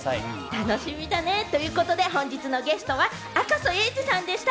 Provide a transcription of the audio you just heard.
楽しみだね。ということで、本日のゲストは赤楚衛二さんでした。